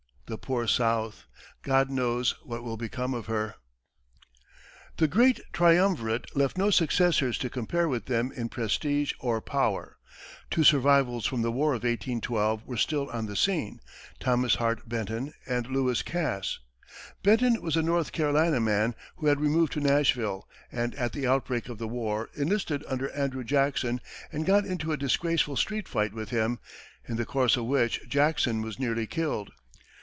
The poor South! God knows what will become of her!" The great triumvirate left no successors to compare with them in prestige or power. Two survivals from the war of 1812 were still on the scene, Thomas Hart Benton and Lewis Cass. Benton was a North Carolina man who had removed to Nashville, and at the outbreak of the war, enlisted under Andrew Jackson, and got into a disgraceful street fight with him, in the course of which Jackson was nearly killed.